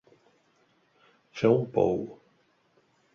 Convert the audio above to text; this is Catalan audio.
Fer un pou.